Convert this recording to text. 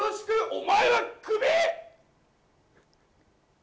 お前はクビ！